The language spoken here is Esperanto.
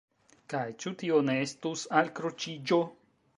Kaj ĉu tio ne estus alkroĉiĝo?